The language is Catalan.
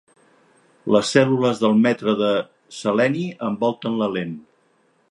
Les cèl·lules del metre de seleni envolten la lent.